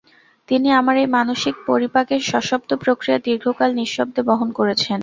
তিনি আমার এই মানসিক পরিপাকের সশব্দ প্রক্রিয়া দীর্ঘকাল নিঃশব্দে বহন করেছেন।